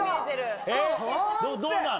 どうなんの？